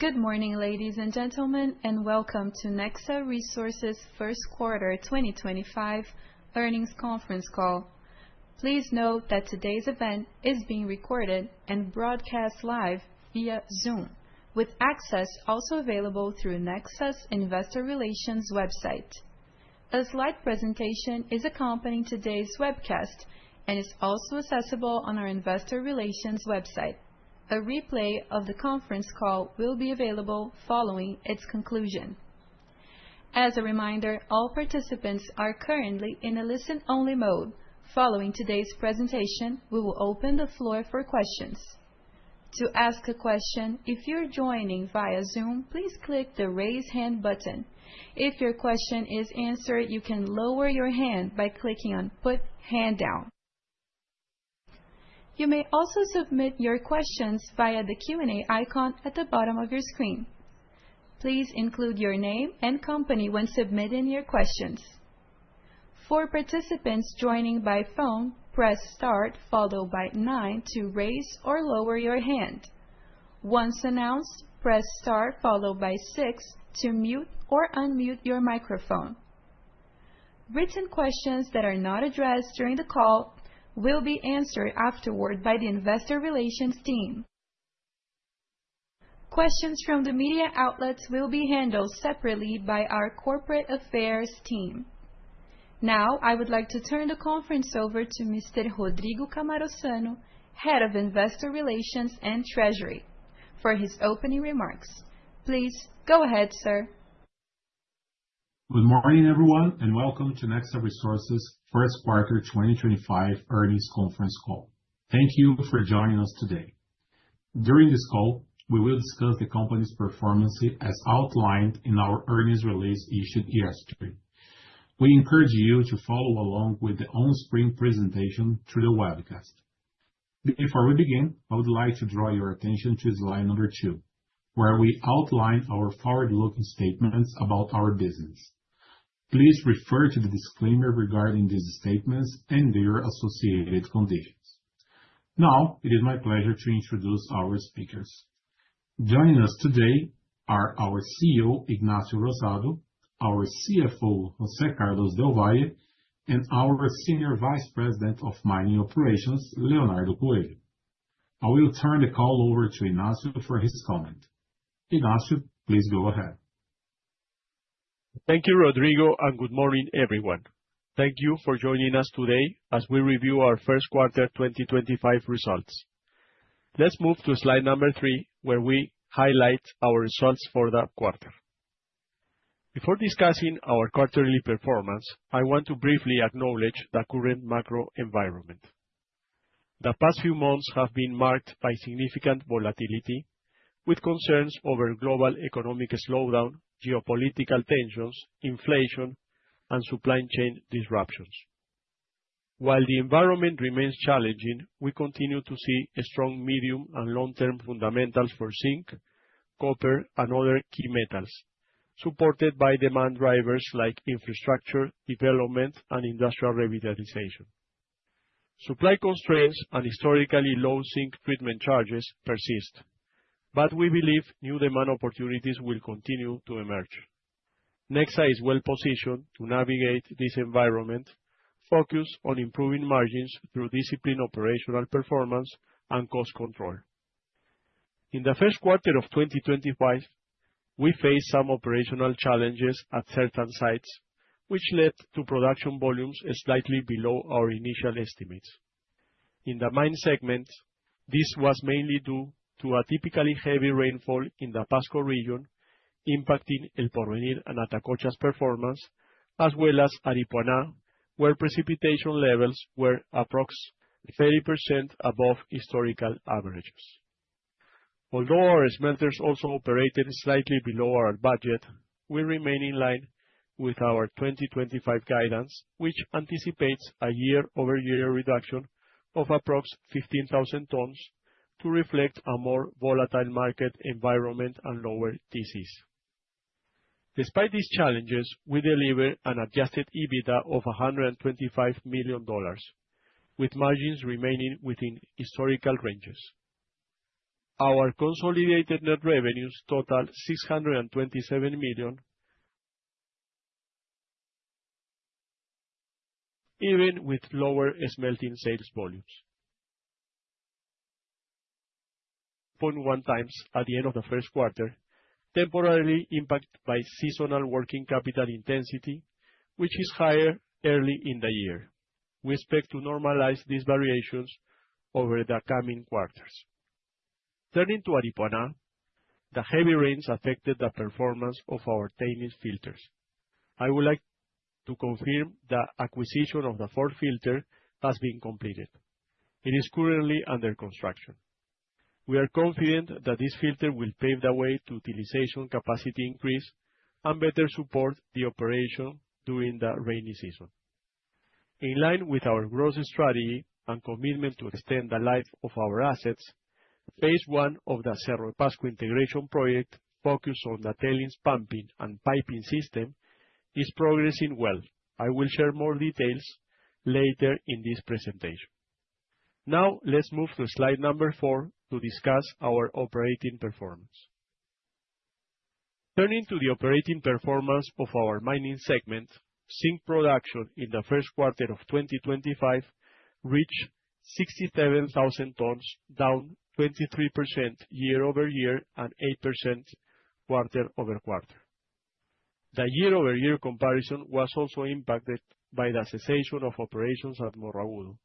Good morning, ladies and gentlemen and welcome to Nexa Resources first quarter 2025 earnings conference call. Please note that today's event is being recorded and broadcast live via Zoom with access also available through Nexa's Investor Relations website. A slide presentation is accompanying today's webcast and is also accessible on our investor relations website. A replay of the conference call will be available following its conclusion. As a reminder, all participants are currently in a listen only mode. Following today's presentation, we will open the floor for questions. To ask a question if you are joining via Zoom, please click the Raise hand button. If your question is answered, you can lower your hand by clicking on Put Hand Down. You may also submit your questions via the Q and A icon at the bottom of your screen. Please include your name and company when submitting your questions. For participants joining by phone, press star followed by 9 to raise or lower your hand. Once announced, press star followed by 6 to mute or unmute your microphone. Written questions that are not addressed during the call will be answered afterward by the investor relations team. Questions from the media outlets will be handled separately by our corporate affairs team. Now I would like to turn the conference over to Mr. Rodrigo Cammarosano, Head of Investor Relations and Treasury, for his opening remarks. Please go ahead, sir. Good morning everyone and welcome to Nexa Resources first quarter 2025 earnings conference call. Thank you for joining us today. During this call we will discuss the company's performance as outlined in our earnings release issued yesterday. We encourage you to follow along with the on screen presentation through the webcast. Before we begin, please, I would like to draw your attention to slide number two where we outline our forward looking statements about our business. Please refer to the disclaimer regarding these statements and their associated conditions. Now it is my pleasure to introduce our speakers. Joining us today are our CEO Ignacio Rosado, our CFO José Carlos del Valle and our Senior Vice President of Mining Operations, Leonardo Coelho. I will turn the call over to Ignacio for his comment. Ignacio, please go ahead. Thank you, Rodrigo, and good morning everyone. Thank you for joining us today as we review our first quarter 2025 results. Let's move to slide number three where we highlight our results for the quarter. Before discussing our quarterly performance, I want to briefly acknowledge the current macro environment. The past few months have been marked by significant volatility with concerns over global economic slowdown, geopolitical tensions, inflation, and supply chain disruptions. While the environment remains challenging, we continue to see strong medium and long term fundamentals for zinc, copper, and other key metals supported by demand drivers like infrastructure development and industrial revitalization. Supply constraints and historically low zinc treatment charges persist, but we believe new demand opportunities will continue to emerge. Nexa is well positioned to navigate this environment. Focus on improving margins through disciplined operational performance and cost control in the first quarter of 2025, we faced some operational challenges at certain sites which led to production volumes slightly below our initial estimates in the mine segment. This was mainly due to a typically heavy rainfall in the Pasco Region impacting El Porvenir and Atacocha's performance as well as Aripuana where precipitation levels were approximately 30% above historical averages. Although our smelters also operated slightly below our budget, we remain in line with our 2025 guidance which anticipates a year over year reduction of approximately 15,000 tonnes to reflect a more volatile market environment and lower TCs. Despite these challenges, we deliver an adjusted EBITDA of $125 million with margins remaining within historical ranges. Our consolidated net revenues total $627 million. Even with lower smelting sales volumes, 0.1 times at the end of the first quarter, temporarily impacted by seasonal working capital intensity which is higher early in the year. We expect to normalize these variations over the coming quarters. Turning to Aripuana, the heavy rains affected the performance of our tailings filters. I would like to confirm that acquisition of the fourth filter has been completed. It is currently under construction. We are confident that this filter will pave the way to utilization capacity increase and better support the operation during the rainy season in line with our growth strategy and commitment to extend the life of our assets. Phase one of the Cerro de Pasco integration project focused on the tailings pumping and piping system is progressing well. I will share more details later in this presentation. Now let's move to slide number four to discuss our operating performance. Turning to the operating performance of our mining segment, zinc production in the first quarter of 2025 reached 67,000 tonnes, down 23% year over year and 8% quarter over quarter. The year over year comparison was also impacted by the cessation of operations at Morro do Ouro.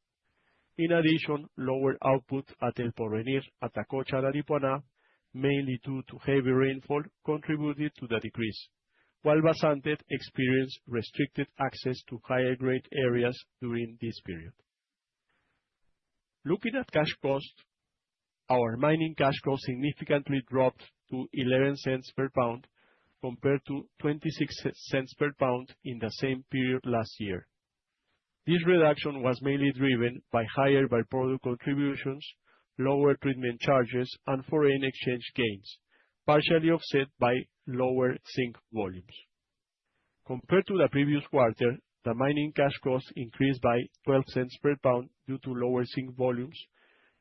In addition, lower output at El Porvenir and Atacocha and Dipolo, mainly due to heavy rainfall, contributed to the decrease, while Vazante experienced restricted access to higher grade areas during this period. Looking at cash cost, our mining cash cost significantly dropped to $0.11 per pound compared to $0.26 per pound in the same period last year. This reduction was mainly driven by higher byproduct contributions and lower treatment charges and foreign exchange gains, partially offset by lower zinc volumes compared to the previous quarter. The mining cash cost increased by $0.12 per pound due to lower zinc volumes,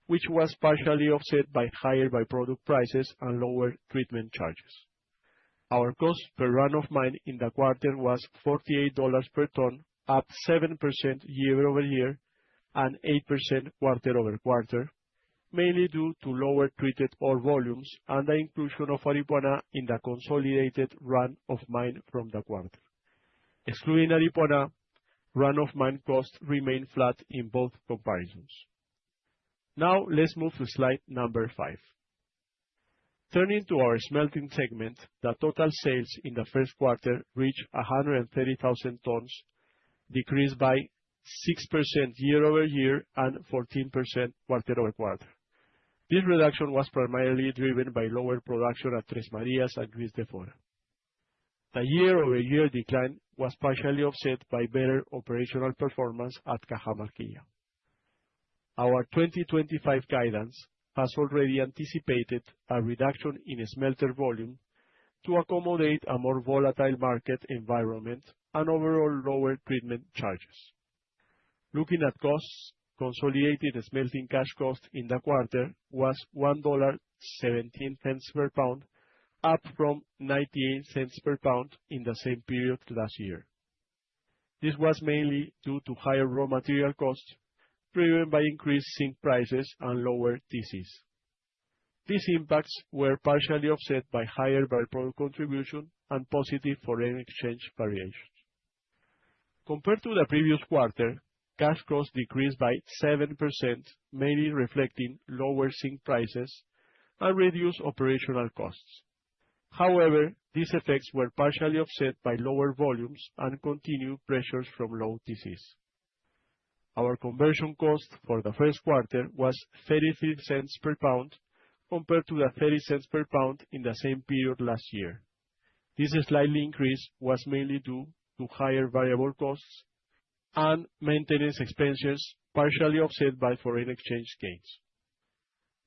which was partially offset by higher byproduct prices and lower treatment charges. Our cost per run of mine in the quarter was $48 per tonne, up 7% year over year and 8% quarter over quarter, mainly due to lower treated ore volumes and the inclusion of Aripuana in the consolidated run of mine from the quarter. Excluding Aripuana run of mine, costs remained flat in both comparisons. Now let's move to slide number five. Turning to our smelting segment, the total sales in the first quarter reached 130,000 tonnes, decreased by 6% year over year and 14% quarter over quarter. This reduction was primarily driven by lower production at Tres Marias and Juiz de Fora. The year over year decline was partially offset by better operational performance at Cajamarquilla. Our 2025 guidance has already anticipated a reduction in smelter volume to accommodate a more volatile market environment and overall lower treatment charges. Looking at costs, consolidated smelting cash cost in the quarter was $1.17 per pound, up from $0.98 per pound in the same period last year. This was mainly due to higher raw material costs driven by increased zinc prices and lower TCs. These impacts were partially offset by higher byproduct contribution and positive foreign exchange variations. Compared to the previous quarter, cash costs decreased by 7% mainly reflecting lower zinc prices and reduced operational costs. However, these effects were partially offset by lower volumes and continued pressures from low TC. Our conversion cost for the first quarter was $0.33 per pound compared to the $0.30 per pound in the same period last year. This slight increase was mainly due to higher variable costs and maintenance expenses partially offset by foreign exchange gains.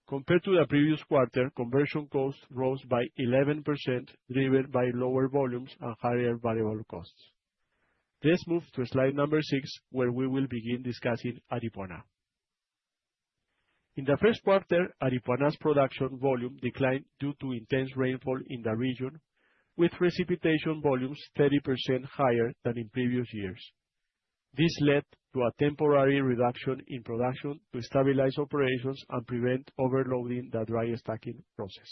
Compared to the previous quarter, conversion costs rose by 11% driven by lower volumes and higher variable costs. Let's move to slide number 6 where we will begin discussing Aripuana. In the first quarter, Aripuana's production volume declined due to intense rainfall in the region with precipitation volumes 30% higher than in previous years. This led to a temporary reduction in production to stabilize operations and prevent overloading the dry stacking process.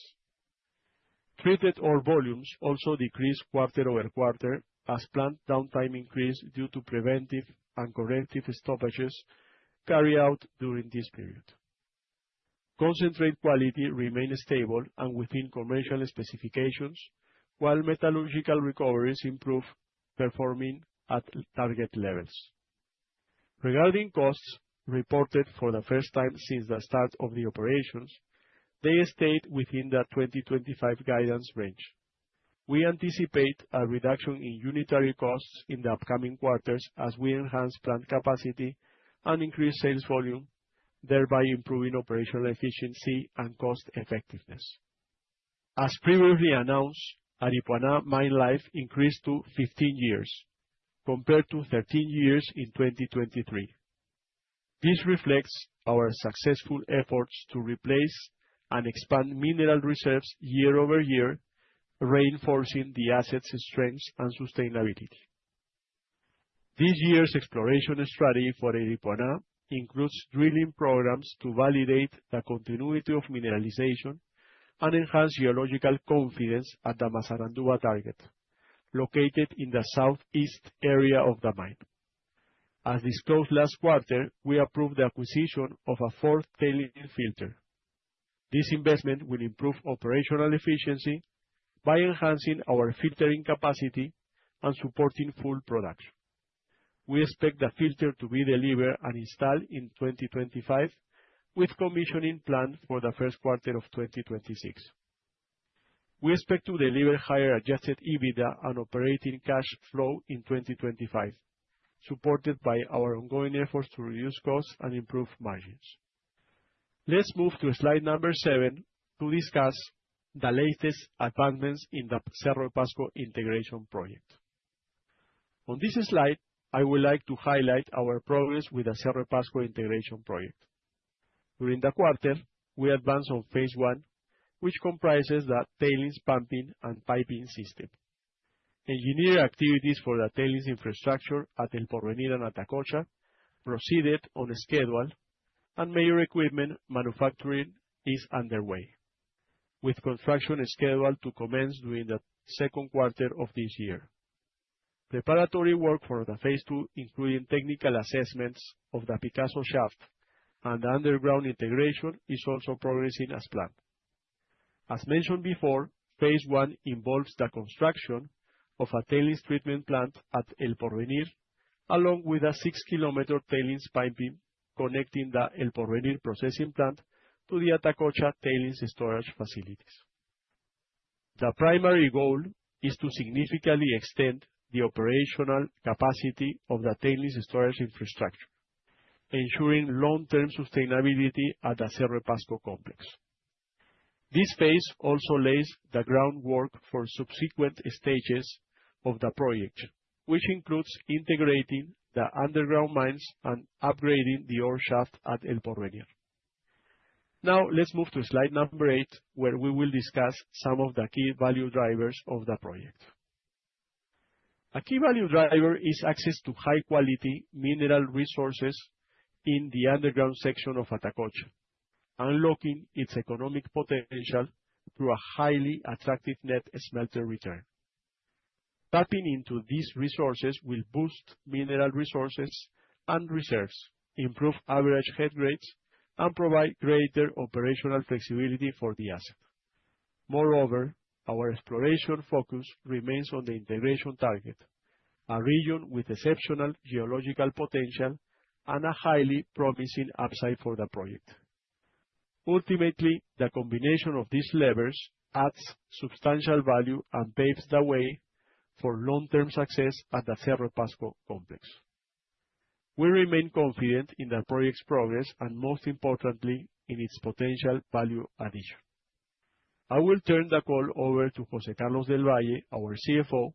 Treated ore volumes also decreased quarter over quarter as plant downtime increased due to preventive and corrective stoppages carried out during this period. Concentrate quality remained stable and within commercial specifications, while metallurgical recoveries improved, performing at target levels. Regarding costs reported for the first time since the start of the operations, they stayed within the 2025 guidance range. We anticipate a reduction in unitary costs in the upcoming quarters as we enhance plant capacity and increase sales volume, thereby improving operational efficiency and cost effectiveness. As previously announced, Aripuana mine life increased to 15 years compared to 13 years in 2023. This reflects our successful efforts to replace and expand mineral reserves year over year, reinforcing the asset's strengths and sustainability. This year's exploration strategy for Aripuana includes drilling programs to validate the continuity of mineralization and enhance geological confidence at the Masaranduba target located in the southeast area of the mine. As disclosed last quarter, we approved the acquisition of a fourth tailings filter. This investment will improve operational efficiency by enhancing our filtering capacity and supporting full production. We expect the filter to be delivered and installed in 2025, with commissioning planned for the first quarter of 2026. We expect to deliver higher adjusted EBITDA and operating cash flow in 2025, supported by our ongoing efforts to reduce costs and improve margins. Let's move to slide number seven to discuss the latest advancements in the Cerro de Pasco integration project. On this slide I would like to highlight our progress with the Cerro de Pasco integration project. During the quarter we advanced on phase one, which comprises the tailings pumping and piping system. Engineering activities for the tailings infrastructure at El Porvenir and Atacocha proceeded on schedule and major equipment manufacturing is underway with construction scheduled to commence during the second quarter of this year. Preparatory work for the phase 2, including technical assessments of the Picasso shaft and underground integration, is also progressing as planned. As mentioned before, phase one involves the construction of a tailings treatment plant at El Porvenir along with a 6 kilometer tailings piping connecting the El Porvenir processing plant to the Atacocha tailings storage facilities. The primary goal is to significantly extend the operational capacity of the tailings storage infrastructure, ensuring long term sustainability at the Cerro de Pasco complex. This phase also lays the groundwork for subsequent stages of the project, which includes integrating the underground mines and upgrading the ore shaft at El Porvenir. Now let's move to slide number eight where we will discuss some of the key value drivers of the project. A key value driver is access to high quality mineral resources in the underground section of Atacocha, unlocking its economic potential through a highly attractive net smelter return. Tapping into these resources will boost mineral resources and reserves, improve average head rates and provide greater operational flexibility for the asset. Moreover, our exploration focus remains on the integration target, a region with exceptional geological potential and a highly promising upside for the project. Ultimately, the combination of these levers adds substantial value and paves the way for long term success at the Cerro Pasco complex. We remain confident in the project's progress and most importantly in its potential value addition. I will turn the call over to José Carlos del Valle, our CFO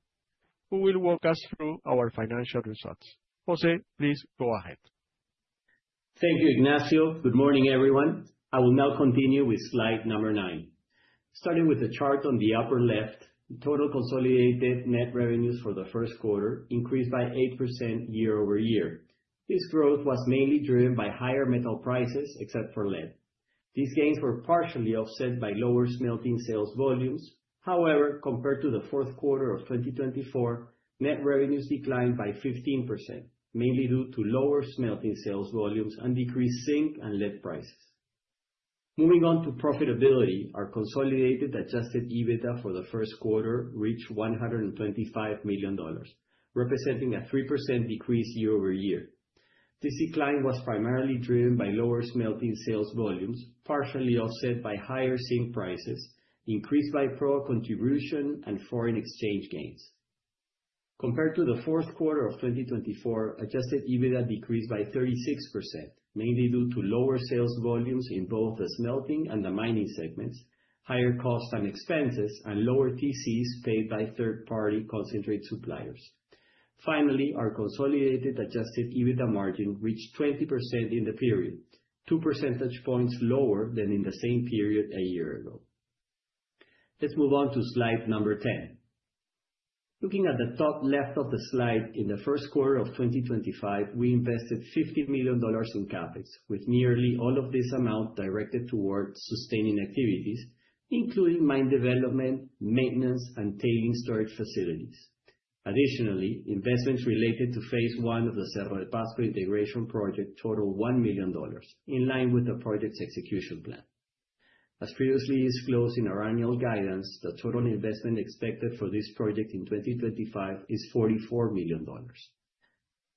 who will walk us through our financial results. José, please go ahead. Thank you, Ignacio. Good morning, everyone. I will now continue with slide number nine. Nine, starting with the chart on the upper left. Total consolidated net revenues for the first quarter increased by 8% year over year. This growth was mainly driven by higher metal prices, except for lead. These gains were partially offset by lower smelting sales volumes. However, compared to the fourth quarter of 2024, net revenues declined by 15%, mainly due to lower smelting sales volumes and decreased zinc and lead prices. Moving on to profitability, our consolidated adjusted EBITDA for the first quarter reached $125 million, representing a 3% decrease year over year. This decline was primarily driven by lower smelting sales volumes, partially offset by higher zinc prices, increased by PRO contribution and foreign exchange gains. Compared to the fourth quarter of 2024, adjusted EBITDA decreased by 36% mainly due to lower sales volumes in both the smelting and the mining segments, higher cost and expenses, and lower TCs paid by third party concentrate suppliers. Finally, our consolidated adjusted EBITDA margin reached 20% in the period, 2 percentage points lower than in the same period a year ago. Let's move on to slide number 10, looking at the top left of the slide. In the first quarter of 2025 we invested $50 million in CapEx, with nearly all of this amount directed toward sustaining activities including mine development, maintenance and tailings storage facilities. Additionally, investments related to phase one of the Cerro de Pasco integration project totaled $1 million in line with the project's execution plan. As previously disclosed in our annual guidance, the total investment expected for this project in 2025 is $44 million.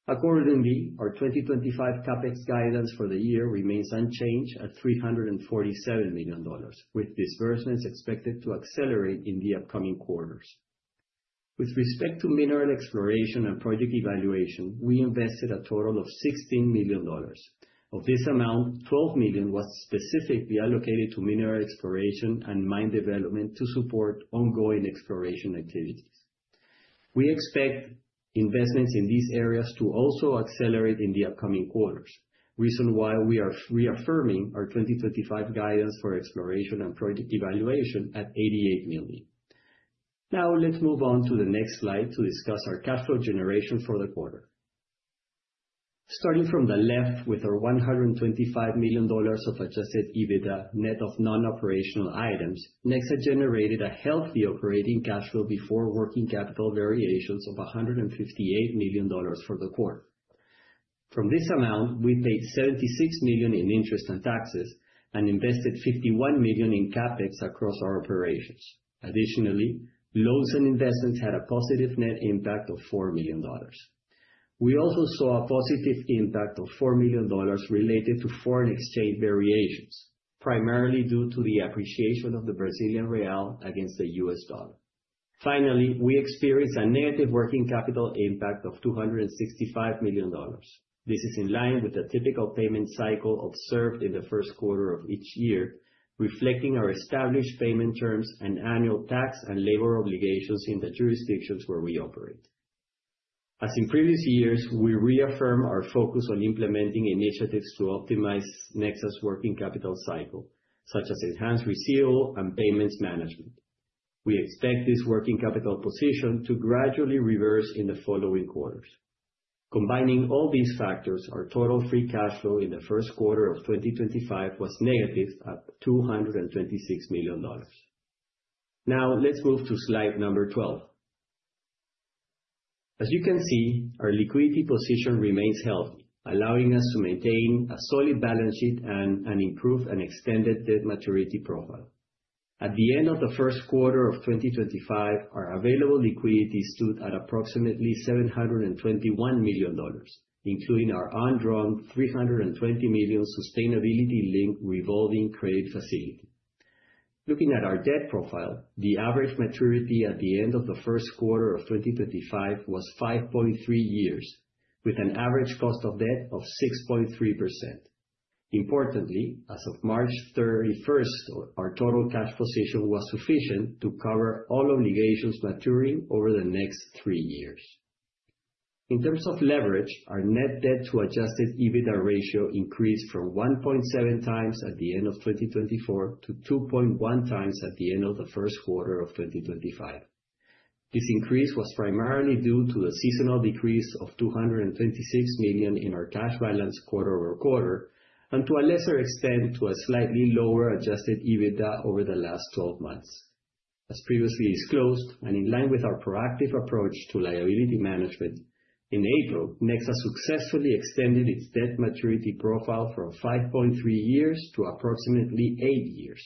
Accordingly, our 2025 CapEx guidance for the year remains unchanged at $347 million, with disbursements expected to accelerate in the upcoming quarters. With respect to mineral exploration and project evaluation, we invested a total of $16 million. Of this amount, $12 million was specifically allocated to mineral exploration and mine development to support ongoing exploration activities. We expect investments in these areas to also accelerate in the upcoming quarters, reason why we are reaffirming our 2025 guidance for exploration and project evaluation at $88 million. Now let's move on to the next slide to discuss our cash flow generation for the quarter. Starting from the left with our $125 million of adjusted EBITDA net of non operational items, Nexa generated a healthy operating cash flow before working capital variations of $158 million for the quarter. From this amount we paid $76 million in interest and taxes and invested $51 million in CapEx across our operations. Additionally, Nexa's loans and investments had a positive net impact of $4 million. We also saw a positive impact of $4 million related to foreign exchange variations, primarily due to the appreciation of the Brazilian Real against the US Dollar. Finally, we experienced a negative working capital impact of $265 million. This is in line with the typical payment cycle observed in the first quarter of each year, reflecting our established payment terms and annual tax and labor obligations in the jurisdictions where we operate. As in previous years, we reaffirm our focus on implementing initiatives to optimize Nexa's working capital cycle such as enhanced resil and payments management. We expect this working capital position to gradually reverse in the following quarters. Combining all these factors, our total free cash flow in the first quarter of 2025 was negative at $226 million. Now let's move to slide number 12. As you can see, our liquidity position remains healthy, allowing us to maintain a solid balance sheet and an improved and extended debt maturity profile. At the end of the first quarter of 2025, our available liquidity stood at approximately $721 million, including our undrawn $320 million sustainability linked revolving credit facility. Looking at our debt profile, the average maturity at the end of the first quarter of 2025 was 5.3 years with an average cost of debt of 6.3%. Importantly, as of 31 March, our total cash position was sufficient to cover all obligations maturing over the next three years. In terms of leverage, our net debt to adjusted EBITDA ratio increased from 1.7 times at the end of 2024 to 2.2 times at the end of the first quarter of 2025. This increase was primarily due to the seasonal decrease of $226 million in our cash balance quarter over quarter and to a lesser extent to a slightly lower adjusted EBITDA over the last 12 months. As previously disclosed and in line with our proactive approach to liability management. In April, Nexa successfully extended its debt maturity profile from 5.3 years to approximately 8 years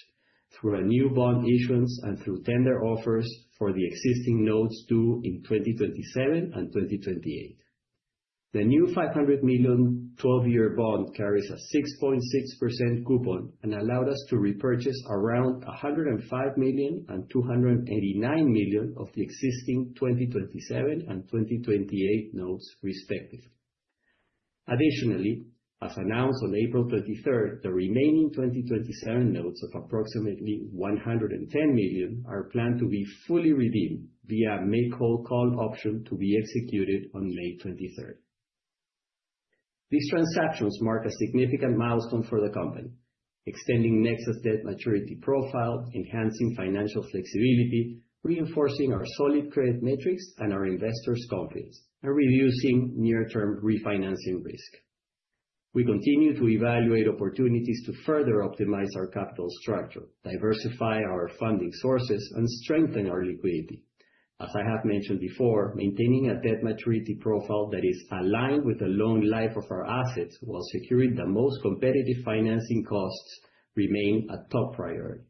through a new bond issuance and through tender offers for the existing notes due in 2027 and 2028. The new $500 million 12-year bond carries a 6.6% coupon and allowed us to repurchase around $105 million and $289 million of the existing 2027 and 2028 notes respectively. Additionally, as announced on April 23, the remaining 2027 notes of approximately $110 million are planned to be fully redeemed via a make whole call option to be executed on May 23. These transactions mark a significant milestone for the company, extending Nexa's debt maturity profile, enhancing financial flexibility, reinforcing our solid credit metrics and our investors' confidence, and reducing near-term refinancing risk. We continue to evaluate opportunities to further optimize our capital structure, diversify our funding sources, and strengthen our liquidity. As I have mentioned before, maintaining a debt maturity profile that is aligned with the long life of our assets while securing the most competitive financing costs remains a top priority.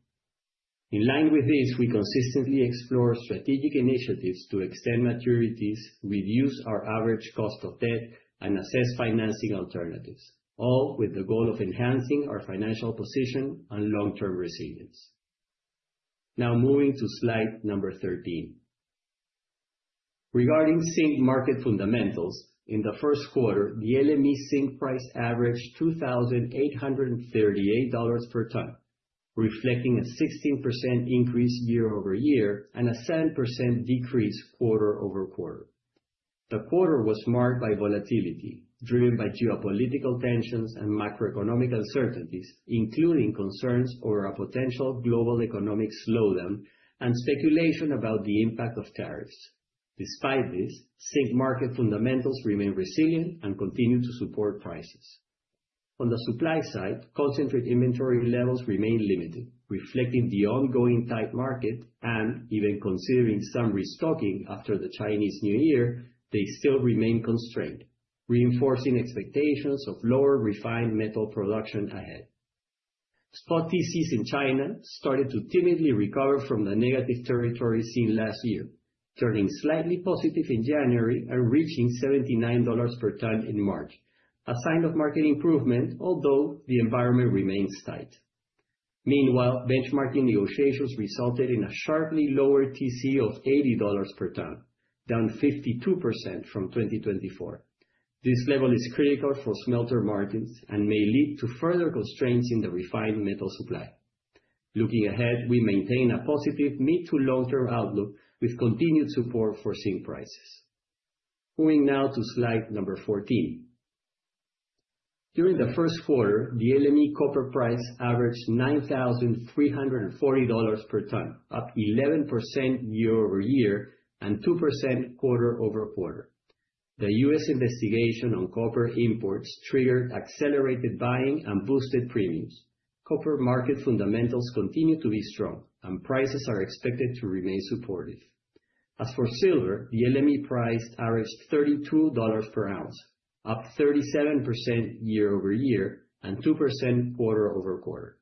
In line with this, we consistently explore strategic initiatives to extend maturities, reduce our average cost of debt, and assess financing alternatives, all with the goal of enhancing our financial position and long-term resilience. Now moving to slide number 13 regarding zinc market fundamentals. In the first quarter the LME zinc price averaged $2,838 per ton, reflecting a 16% increase year over year and a 7% decrease quarter over quarter. The quarter was marked by volatility driven by geopolitical tensions and macroeconomic uncertainties, including concerns over a potential global economic slowdown and speculation about the impact of tariffs. Despite this, zinc market fundamentals remain resilient and continue to support prices on the supply side. Concentrate inventory levels remain limited, reflecting the ongoing tight market and even considering some restocking after the Chinese New Year, they still remain constrained, reinforcing expectations of lower refined metal production. Ahead, spot TCs in China started to timidly recover from the negative territory seen last year, turning slightly positive in January and reaching $79 per tonne in March, a sign of market improvement although the environment remains tight. Meanwhile, benchmarking negotiations resulted in a sharply lower TC of $80 per ton, down 52% from 2024. This level is critical for smelter margins and may lead to further constraints in the refined metal supply. Looking ahead, we maintain a positive mid to long term outlook with continued support for zinc prices. Moving now to slide number 14. During the first quarter the LME copper. Price averaged $9,340 per tonne, up 11% year over year and 2% quarter over quarter. The U.S. investigation on copper imports triggered accelerated buying and boosted premiums. Copper market fundamentals continue to be strong and prices are expected to remain supportive. As for silver, the LME price averaged $32 per ounce, up 37% year over year and 2% quarter over quarter.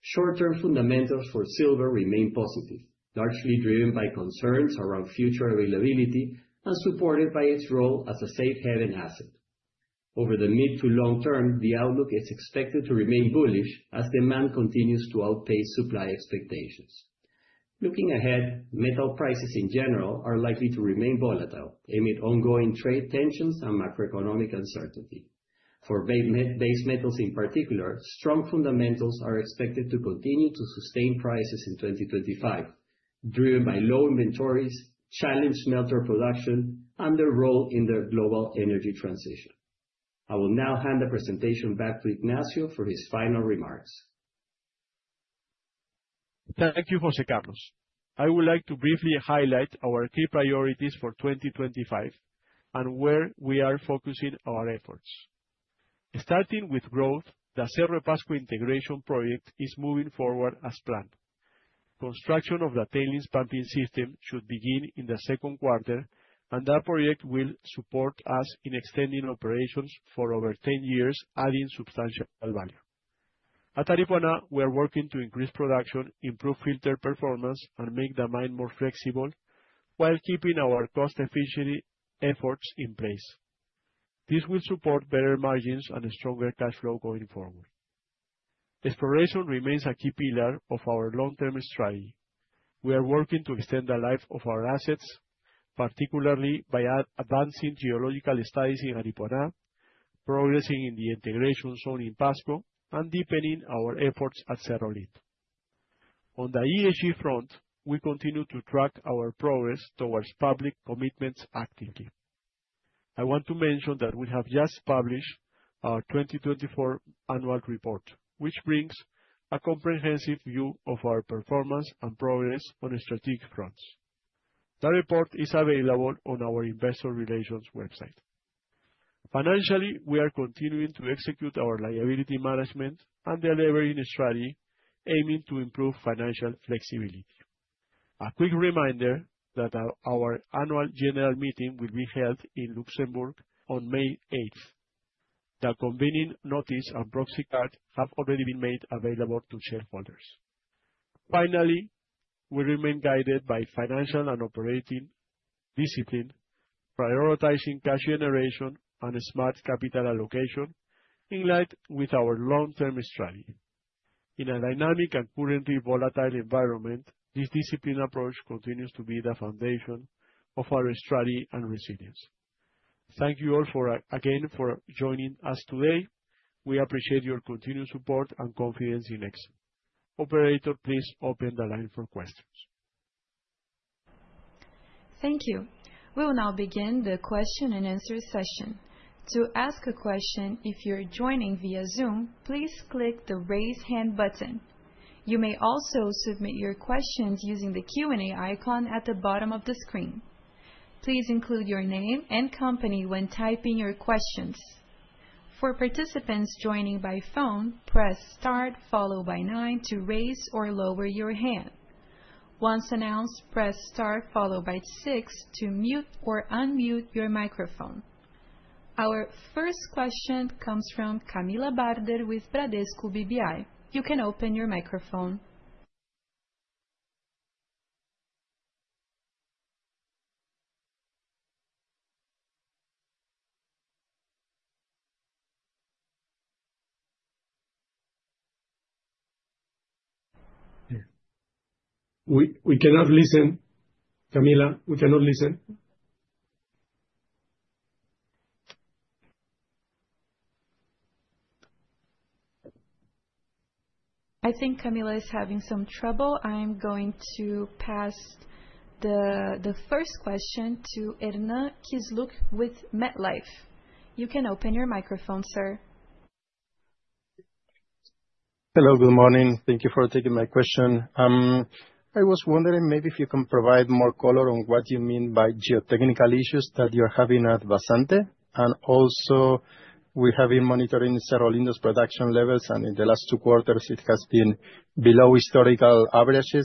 Short term fundamentals for silver remain positive, largely driven by concerns around future availability and supported by its role as a safe haven asset. Over the mid to long term, the outlook is expected to remain bullish as demand continues to outpace supply expectations. Looking ahead, metal prices in general are likely to remain volatile amid ongoing trade tensions and macroeconomic uncertainty. For base metals in particular, strong fundamentals are expected to continue to sustain prices in 2025, driven by low inventories, challenged smelter production and their role in the global energy transition. I will now hand the presentation back to Ignacio for his final remarks. Thank you, José Carlos. I would like to briefly highlight our key priorities for 2025 and where we are focusing our efforts, starting with growth. The Atacocha-Pasco integration project is moving forward as planned. Construction of the tailings pumping system should begin in the second quarter and that project will support us in extending operations for over 10 years, adding substantial value. At Aripuana, we are working to increase production, improve filter performance and make the mine more flexible while keeping our cost efficiency efforts in place. This will support better margins and a stronger cash flow going forward. Exploration remains a key pillar of our long term strategy. We are working to extend the life of our assets, particularly by advancing geological studies in Aripuana, progressing in the integration zone in Pasco and deepening our efforts at Cerro Lindo. On the EHG front, we continue to track our progress towards public commitments actively. I want to mention that we have just published our 2024 annual report which brings a comprehensive view of our performance and progress on strategic fronts. The report is available on our Investor Relations website. Financially, we are continuing to execute our liability management and delivering strategy aiming to improve financial flexibility. A quick reminder that our annual General Meeting will be held in Luxembourg on May 8. The convening notice and proxy card have already been made available to shareholders. Finally, we remain guided by financial and operating discipline, prioritizing cash generation and smart capital allocation in line with our long term strategy in a dynamic and currently volatile environment. This disciplined approach continues to be the foundation of our strategy and resilience. Thank you all again for joining us today. We appreciate your continued support and confidence in Nexa Resources. Please open the line for questions. Thank you. We will now begin the question and answer session. To ask a question if you are joining via Zoom, please click the Raise hand button. You may also submit your questions using the Q and A icon at the bottom of the screen. Please include your name and company when typing your questions. For participants joining by phone, press star, followed by nine to raise or lower your hand. Once announced, press star, followed by six to mute or unmute your microphone. Our first question comes from Camila Barder with Bradesco BBI. You can open your microphone. We cannot listen, Camila. We cannot listen. I think Camila is having some trouble. I'm going to pass the first question to Hernán Kisluk with MetLife. You can open your microphone, sir. Hello, good morning. Thank you for taking my question. I was wondering maybe if you can provide more color on what you mean by geotechnical issues that you're having at Vazante. Also, we have been monitoring several Indus production levels and in the last two quarters it has been below historical averages.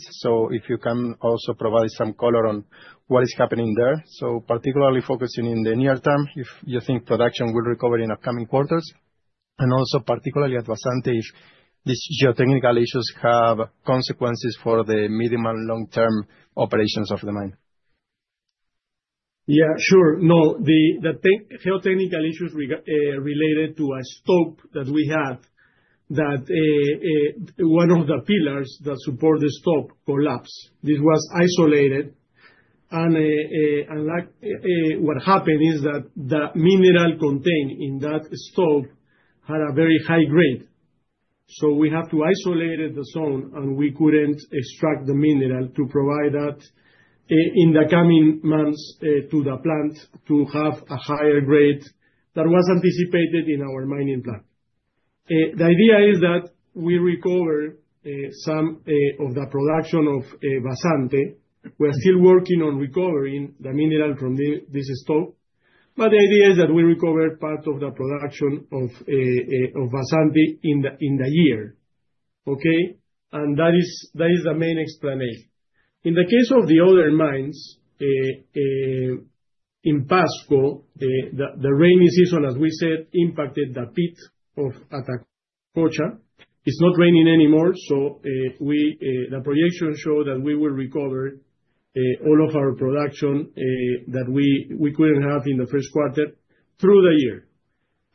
If you can also provide some color on what is happening there. Particularly focusing in the near term, if you think production will recover in upcoming quarters and also particularly at Vazante, if these geotechnical issues have consequences for the medium and long term operations of the mine. Yeah, sure. No, the geotechnical issues related to a stope that we had that one of the pillars that support the stope collapsed, this was isolated. What happened is that the mineral contained in that stope had a very high grade. We have to isolate the zone and we could not extract the mineral to provide that in the coming months to the plant to have a higher grade that was anticipated in our mining plan. The idea is that we recover some of the production of Vazante. We are still working on recovering the mineral from this stope. The idea is that we recover part of the production of Vazante in the year. That is the main explanation in the case of the other mines in Pasco. The rainy season, as we said, impacted the pit of Atacocha. It is not raining anymore. We, the projections show that we will recover all of our production that we could not have in the first quarter through the year.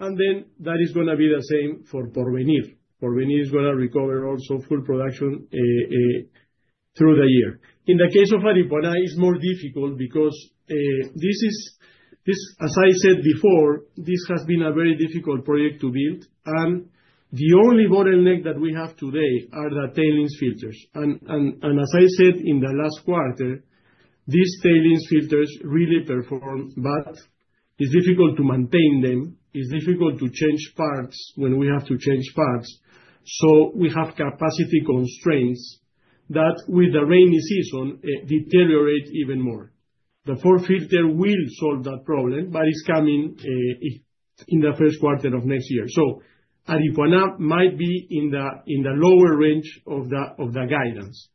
That is going to be the same for Porvenir. Porvenir is going to recover also full production through the year. In the case of Aripuana, it is more difficult because this is, as I said before, this has been a very difficult project to build. The only bottleneck that we have today are the tailings filters. As I said in the last quarter, these tailings filters really perform bad. It is difficult to maintain them. It is difficult to change parts when we have to change parts. We have capacity constraints that with the rainy season deteriorate even more. The fourth filter will solve that problem, but it's coming in the first quarter of next year. So Aripuana might be in the lower range of the guidance.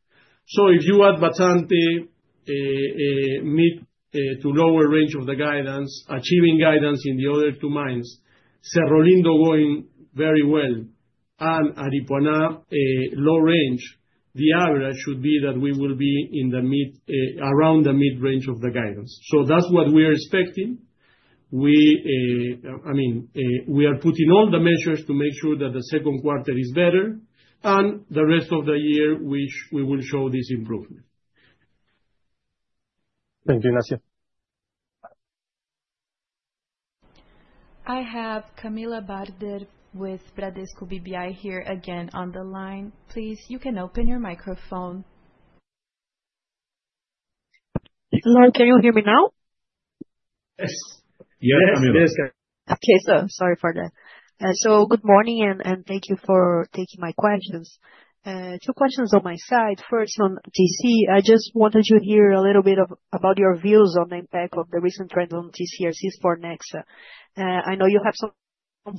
If you add Vazante mid to lower range of the guidance, achieving guidance in the other two mines, Cerro Lindo going very well and Aripuana low range, the average should be that we will be in the mid, around the mid range of the guidance. That's what we are expecting. I mean, we are putting all the measures to make sure that the second quarter is better and the rest of the year, which we will show this improvement. Thank you. Nacia. I have Camila Barder with Bradesco BBI here again on the line. Please. You can open your microphone. Hello, can you hear me now? Yes. Okay, sorry for that. Good morning and thank you for taking my questions. Two questions on my side. First on TC, I just wanted to hear a little bit about your views on the impact of the recent trend on TCRC for Nexa. I know you have some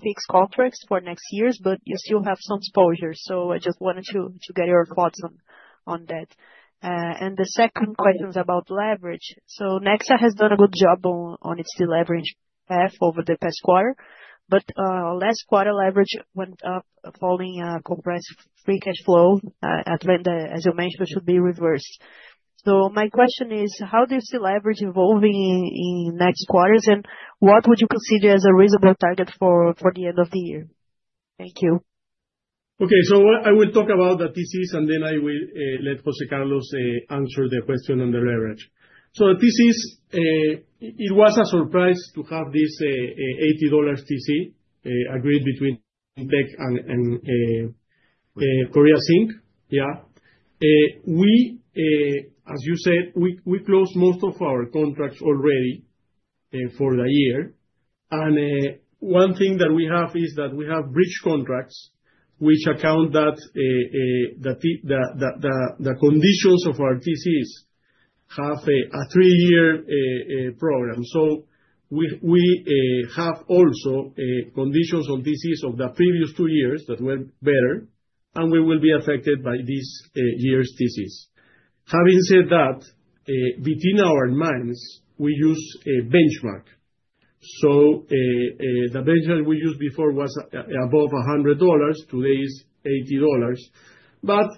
fixed contracts for next years, but you still have some exposure. I just wanted to get your thoughts on that. The second question is about leverage. Nexa has done a good job on its deleverage path over the past quarter, but last quarter leverage went up following compressed free cash flow at Lend as you mentioned should be reversed. My question is how do you see leverage evolving in next quarters? What would you consider as a reasonable target for the end of the year? Thank you. Okay, I will talk about the TCs and then I will let José Carlos answer the question on the leverage. This was a surprise to have this $80 TC agreed between DEC and Korea Zinc. Yeah, as you said, we closed most of our contracts already for the year. One thing that we have is that we have bridge contracts which account that the conditions of our TCs have a three-year program. We also have conditions on TCs of the previous two years that were better and we will be affected by this year's TCs. Having said that, within our mines we use a benchmark. The benchmark we used before was above $100. Today it is $80.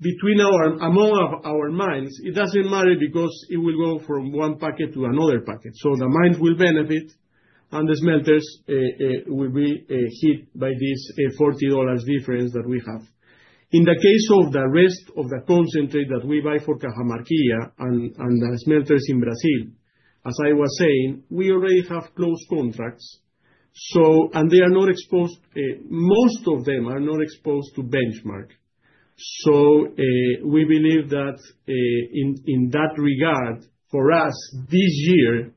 Among our mines, it does not matter because it will go from one packet to another packet. The mines will benefit and the smelters will be hit by this $40 difference that we have. In the case of the rest of the concentrate that we buy for Cajamarquilla and the smelters in Brazil, as I was saying, we already have closed contracts, so. They are not exposed, most of them are not exposed to benchmark. We believe that in that regard for us this year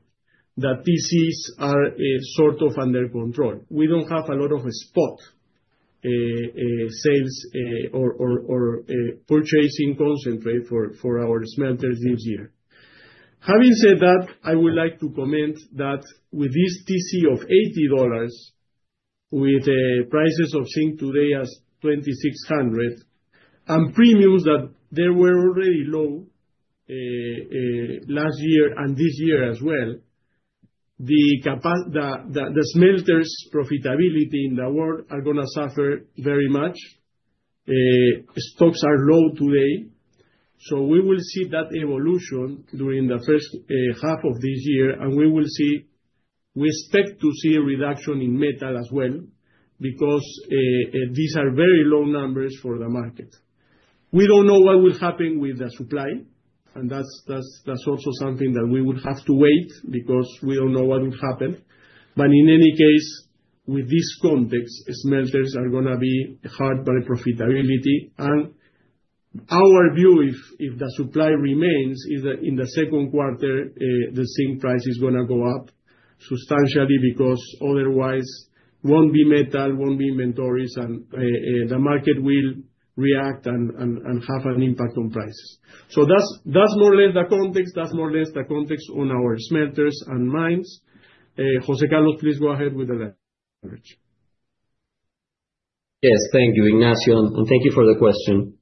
that TCs are sort of under control. We do not have a lot of spot sales or purchasing concentrate for our smelters this year. Having said that, I would like to comment that with this TC of $80 with prices of zinc today at $2,600 and premiums that were already low last year and this year as well, the smelters' profitability in the world are going to suffer very much. Stocks are low today. We will see that evolution during the first half of this year and we will see, we expect to see a reduction in metal as well because these are very low numbers for the market. We do not know what will happen with the supply and that is also something that we would have to wait because we do not know what will happen. In any case, with this context, smelters are going to be hit hard by profitability. Our view if the supply remains is that in the second quarter the zinc price is going to go up substantially because otherwise there will not be metal, will not be inventories and the market will react and have an impact on prices. That is more or less the context. That is more or less the context on our smelters and mines. José Carlos, please go ahead with the leverage. Yes, thank you, Ignacio, and thank you for the question.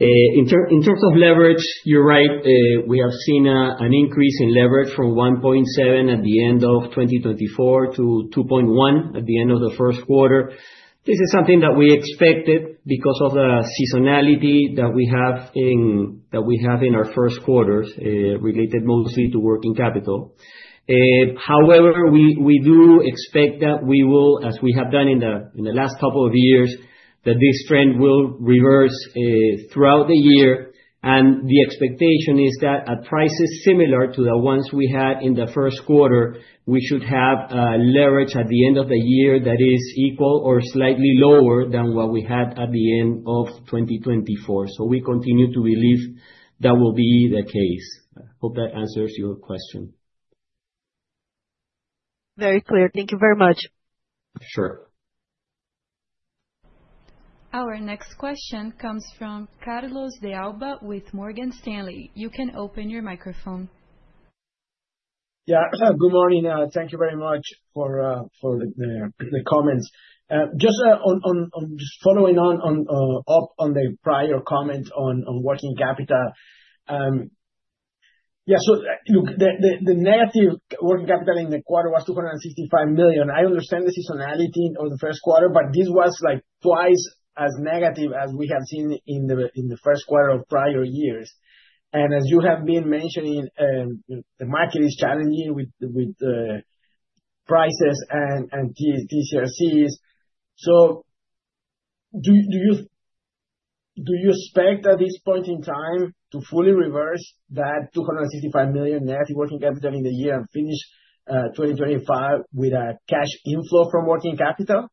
In terms of leverage. You're right. We have seen an increase in leverage from 1.7 at the end of 2024 to 2.1 at the end of the first quarter. This is something that we expected because. Of the seasonality that we have in our first quarters, related mostly to working capital. However, we do expect that we will, as we have done in the last. Couple of years, that this trend will. Reverse throughout the year. The expectation is that at prices similar to the ones we had in the first quarter, we should have leverage at the end of the year that is equal or slightly lower than what we had at the end of 2024.We continue to believe that will be the case. Hope that answers your question. Very clear. Thank you very much. Sure. Our next question comes from Carlos de Alba with Morgan Stanley. You can open your microphone. Yeah. Good morning. Thank you very much for the comments. Just following on up on the prior comment on working capital. Yeah, so the negative working capital in the quarter was $265 million. I understand the seasonality of the first quarter. This was like twice as negative as we have seen in the first quarter of prior years. As you have been mentioning, the market is challenging with prices and TCRCs. So do you expect at this point in time to fully reverse that $265 million net in working capital in the year and finish 2025 with a cash inflow from working capital?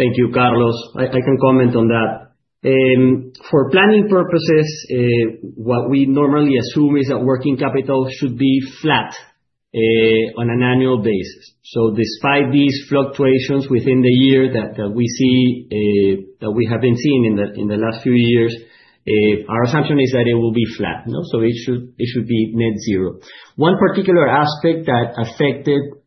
Thank you, Carlos. I can comment on that. For planning purposes, what we normally assume is that working capital should be flat on an annual basis. Despite these fluctuations within the year that we see that we have been seeing in the last few years, our assumption is that it will be flat. It should be net zero. One particular aspect that affected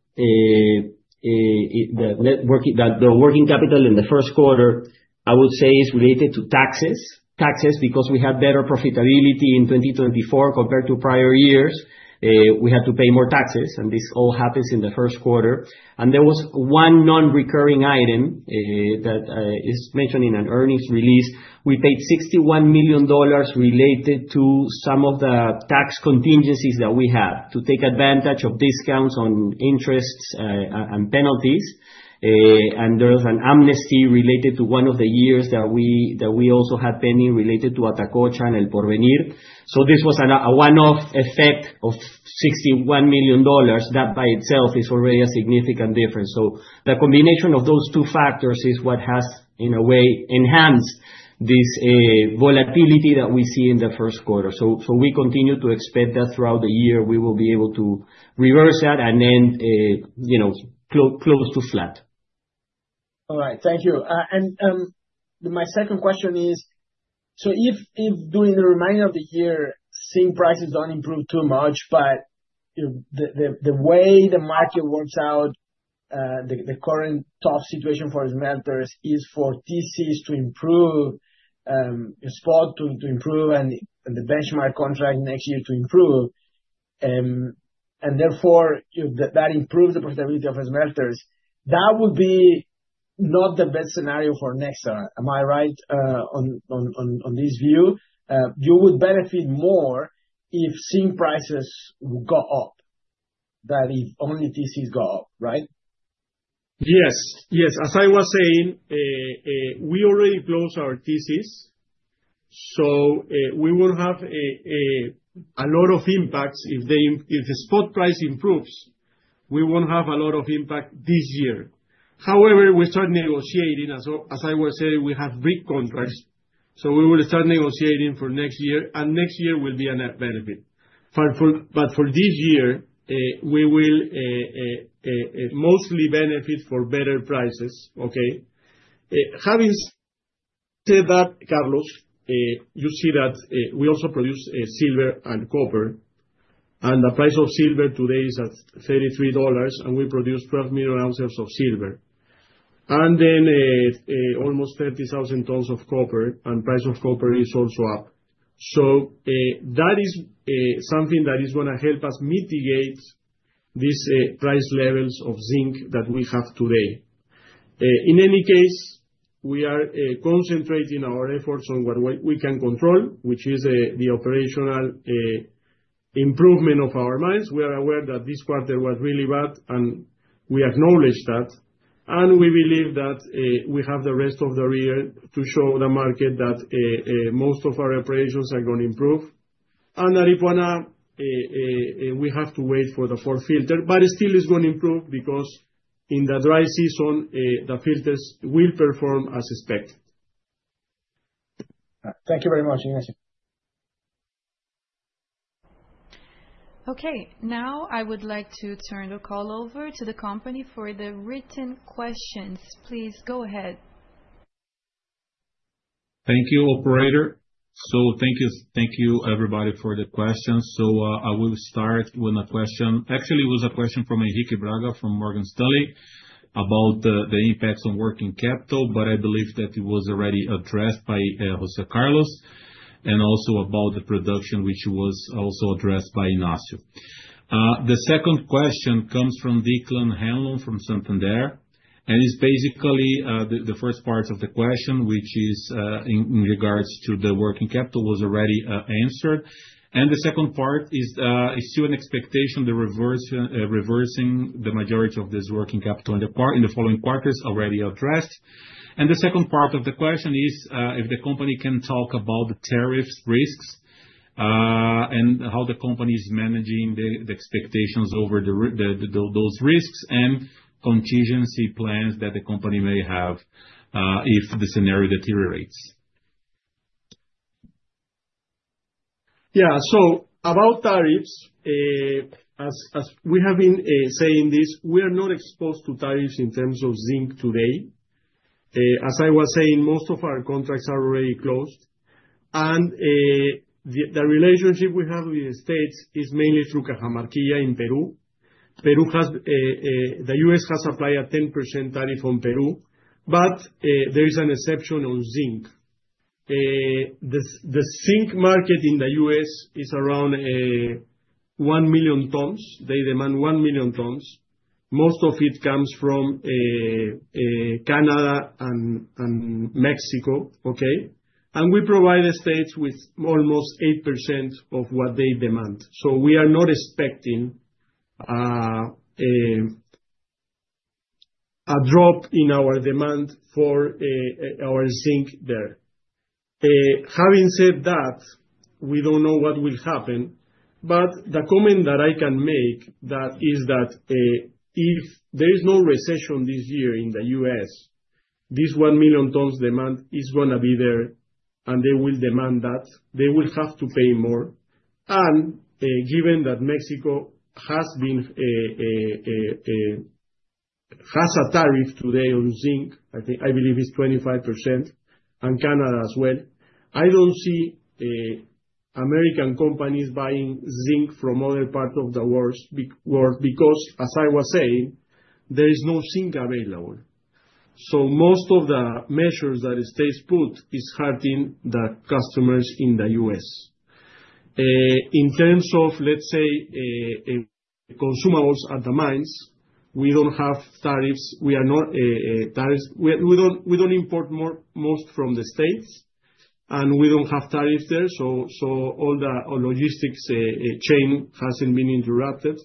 the working capital in the first quarter I would say is related to taxes. Taxes because we had better profitability in 2024 compared to prior years, we had to pay more taxes. This all happens in the first quarter. There was one non-recurring item that is mentioned in an earnings release. We paid $61 million related to some of the tax contingencies that we had to take advantage of discounts on interests and penalties. There was an amnesty related to one of the years that we also had pending related to Atacocha and El Porvenir. This was a one-off effect of $61 million. That by itself is already a significant difference. The combination of those two factors is what has in a way enhanced this volatility that we see in the first quarter. We continue to expect that throughout the year we will be able to reverse that and then close to flat. All right, thank you. My second question is if during the remainder of the year zinc prices do not improve too much but the way the market works out, the current tough situation for smelters is for TCs to improve, spot to improve, and the benchmark contract next year to improve, and therefore that improves the profitability of smelters. That would be not the best scenario for Nexa. Am I right on this view? You would benefit more if zinc prices go up than if only TCs go up, right? Yes, yes. As I was saying, we already closed our thesis. We will have a lot of impacts if the spot price improves. We will not have a lot of impact this year. However, we start negotiating. As I was saying, we have BRIC contracts. We will start negotiating for next year and next year will be a net benefit. For this year we will mostly benefit from better prices. Okay. Having said that Carlos, you see that we also produce silver and copper and the price of silver today is at $33 and we produce 12 million ounces of silver and then almost 30,000 tons of copper. The price of copper is also up. That is something that is going to help us mitigate these price levels of zinc that we have today. In any case, we are concentrating our efforts on what we can control, which is the operational improvement of our mines. We are aware that this quarter was really bad and we acknowledge that. We believe that we have the rest of the year to show the market that most of our operations are going to improve under Aripuana. We have to wait for the fourth filter, but still it's going to improve because in the dry season the filters will perform as expected. Thank you very much, Ignacio. Okay, now I would like to turn the call over to the company for the written questions. Please go ahead. Thank you, operator. Thank you. Thank you everybody for the questions. I will start with a question. Actually it was a question from Enrique Braga from Morgan Stanley about the impacts on working capital. I believe that it was already addressed by José Carlos and also about the production, which was also addressed by Ignacio. The second question comes from Declan Hanlon from Santander. It's basically the first part of the question, which is in regards to the working capital, was already answered. The second part is still an expectation. The reversing the majority of this working capital in the following quarters already addressed. The second part of the question is if the company can talk about the tariffs risks and how the company is managing the expectations over those risks and contingency plans that the company may have if the scenario deteriorates. Yeah. About tariffs, as we have been saying, we are not exposed to tariffs in terms of zinc today. As I was saying, most of our contracts are already closed and the relationship we have with the U.S. is mainly through Cajamarquilla in Peru. The U.S. has supplied a 10% tariff on Peru, but there is an exception on zinc. The zinc market in the U.S. is around 1 million tonnes. They demand 1 million tonnes. Most of it comes from Canada and Mexico. Okay. We provide states with almost 8% of what they demand. We are not expecting a drop in our demand for our zinc there. Having said that, we do not know what will happen. The comment that I can make is that if there is no recession this year in the U.S., this 1 million tons demand is going to be there and they will demand that they will have to pay more. Given that Mexico has a tariff today on zinc, I believe it's 25%. Canada as well. I don't see American companies buying zinc from other parts of the world because as I was saying, there is no zinc available. Most of the measures that stay put are hurting the customers in the U.S. in terms of, let's say, consumables at the mines. We don't have tariffs, we are not tariffs, we don't import more, most from the States and we don't have tariffs there. All the logistics chain hasn't been interrupted.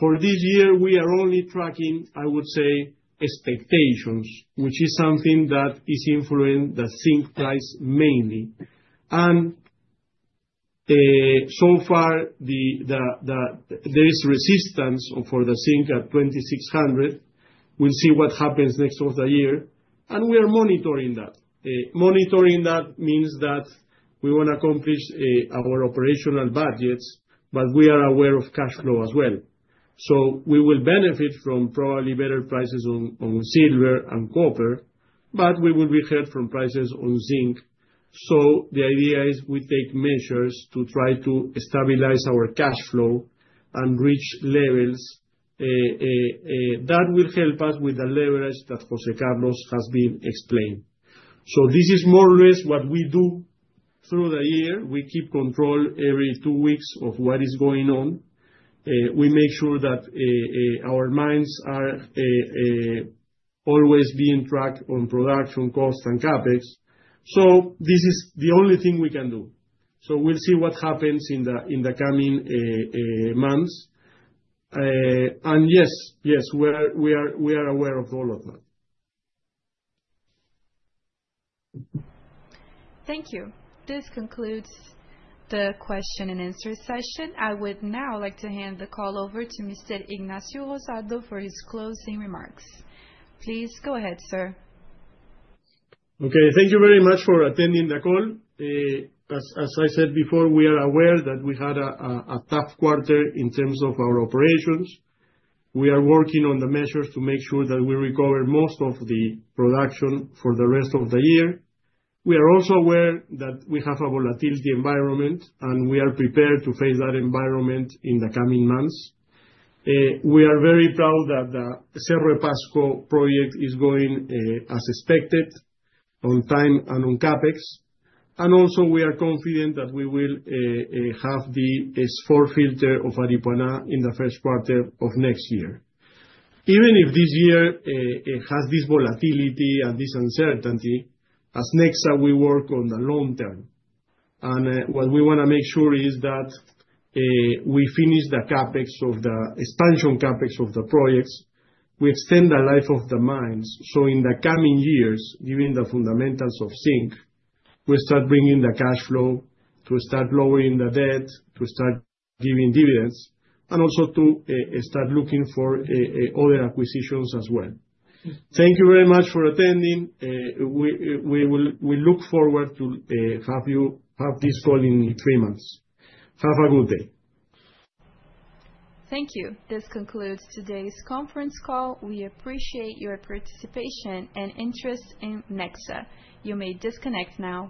For this year we are only tracking, I would say, expectations, which is something that is influencing the zinc price mainly. So far there is resistance for the zinc at $2,600. We'll see what happens next of the year and we are monitoring that. Monitoring that means that we want to accomplish our operational budgets, but we are ware of cash flow as well. We will benefit from probably better prices on silver and copper, but we will be hurt from prices on zinc. The idea is we take measures to try to stabilize our cash flow and reach levels that will help us with the leverage that José Carlos has been explained. This is more or less what we do through the year. We keep control every two weeks of what is going on. We make sure that our mines are always being tracked on production costs and CapEx. This is the only thing we can do. We'll see what happens in the coming months. Yes, yes, we are aware of all of that. Thank you. This concludes the question and answer session. I would now like to hand the call over to Mr. Ignacio Rosado for his closing remarks. Please go ahead, sir. Okay, thank you very much for attending the call. As I said before, we are aware that we had a tough quarter in. Terms of our operations. We are working on the measures to make sure that we recover most of the production for the rest of the year. We are also aware that we have a volatility environment and we are prepared to face that environment in the coming months. We are very proud that the Cerro de Pasco project is going as expected on time and on CapEx. We are confident that we will have the S4 filter of Aripuana in the first quarter of next year. Even if this year has this volatility and this uncertainty. As Nexa, we work on the long term and what we want to make sure is that we finish the CapEx of the expansion CapEx of the projects, we extend the life of the mines. In the coming years, given the fundamentals of zinc, we start bringing the cash flow, to start lowering the debt, to start giving dividends, and also to start looking for other acquisitions as well. Thank you very much for attending. We look forward to have you have this call in three months. Have a good day. Thank you. This concludes today's conference call. We appreciate your participation and interest in Nexa. You may disconnect now.